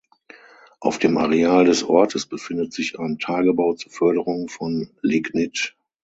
Auf dem Areal des Ortes befindet sich ein Tagebau zur Förderung von Lignit.